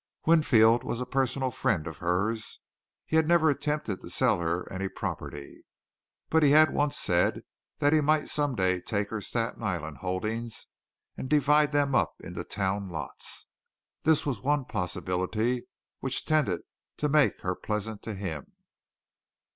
Winfield was a personal friend of hers. He had never attempted to sell her any property, but he had once said that he might some day take her Staten Island holdings and divide them up into town lots. This was one possibility which tended to make her pleasant to him.